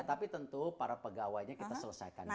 tetapi tentu para pegawainya kita selesaikan juga